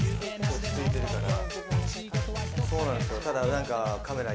落ち着いてるから。